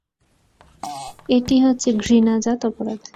এটি হচ্ছে ঘৃণাজাত অপরাধ।